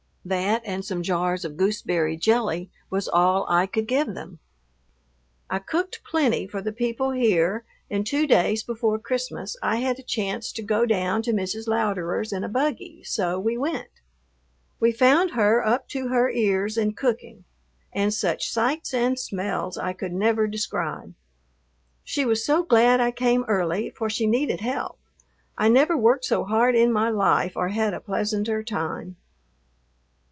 That and some jars of gooseberry jelly was all I could give them. I cooked plenty for the people here, and two days before Christmas I had a chance to go down to Mrs. Louderer's in a buggy, so we went. We found her up to her ears in cooking, and such sights and smells I could never describe. She was so glad I came early, for she needed help. I never worked so hard in my life or had a pleasanter time.